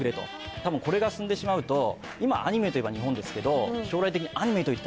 たぶんこれが進んでしまうと今アニメといえば日本ですけど。